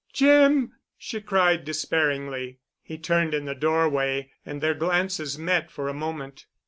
"Jim," she cried despairingly. He turned in the doorway and their glances met for a moment.